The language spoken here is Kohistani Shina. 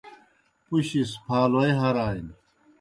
پُشیْ سہ پھالوئے ہرانیْ۔